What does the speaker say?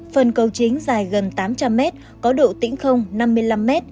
phần cầu chính dài gần tám trăm linh mét có độ tĩnh không năm mươi năm m